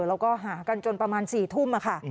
แล้วก็หากันจนประมาณ๔ทุ่มค่ะ